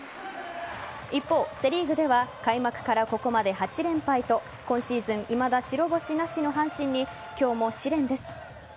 一方、セ・リーグでは開幕からここまで８連敗と今シーズンいまだ白星なしの阪神に今日も試練です。